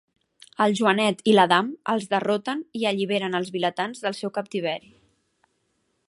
En Joanet i l'Adam els derroten i alliberen els vilatans del seu captiveri.